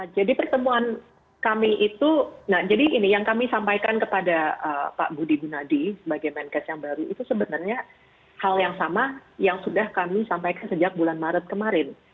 jadi pertemuan kami itu yang kami sampaikan kepada pak budi bunadi sebagai menkes yang baru itu sebenarnya hal yang sama yang sudah kami sampaikan sejak bulan maret kemarin